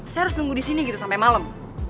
saya harus nunggu di sini gitu sampe malem